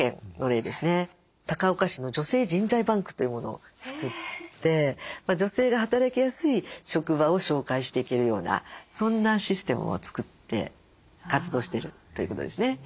高岡市の女性人材バンクというものを作って女性が働きやすい職場を紹介していけるようなそんなシステムを作って活動してるということですね。